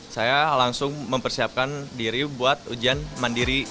saya langsung mempersiapkan diri buat ujian mandiri